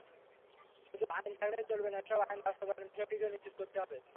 শুধু আইন থাকলেই চলবে না, এসব আইন বাস্তবায়নের বিষয়টিও নিশ্চিত করতে হবে।